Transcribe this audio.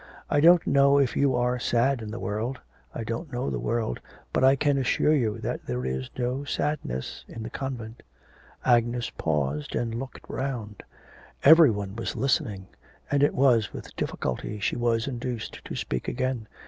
I don't know if you are sad in the world; I don't know the world, but I can assure you that there is no sadness in the convent.' Agnes paused and looked round. Every one was listening, and it was with difficulty she was induced to speak again....